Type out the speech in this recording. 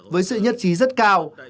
với sự nhất trí rất cao